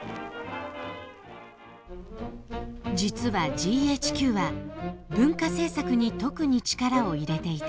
実はＧＨＱは文化政策に特に力を入れていた。